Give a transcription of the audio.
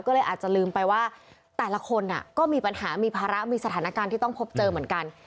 ก็เลยอาจจะลืมไปว่าแต่ละคนก็มีปัญหามีภาระมีสถานการณ์ที่ต้องพบเจอเหมือนกัน